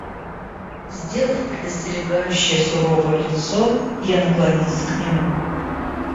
Сделав предостерегающее суровое лицо, я наклонился к нему.